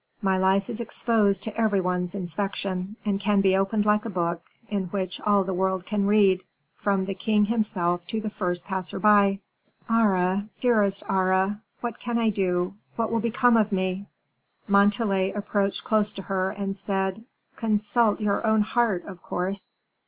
My life is exposed to every one's inspection, and can be opened like a book, in which all the world can read, from the king himself to the first passer by. Aure, dearest Aure, what can I do what will become of me?" Montalais approached close to her, and said, "Consult your own heart, of course."